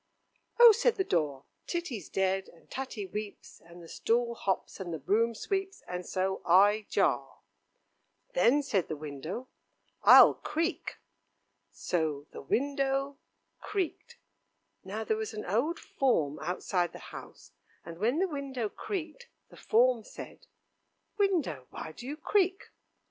"Oh!" said the door, "Titty's dead, and Tatty weeps, and the stool hops, and the broom sweeps, and so I jar." "Then," said the window, "I'll creak." So the window creaked. Now there was an old form outside the house, and when the window creaked, the form said: "Window, why do you creak?"